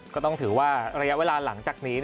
ก็ต้องถือว่าระยะเวลาหลังจากนี้